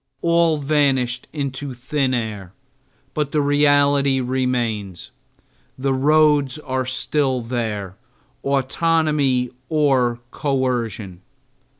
All vanished into thin air, but the reality remains. The roads were still there, autonomy or coercion.